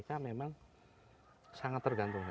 ada yang di tegalan ini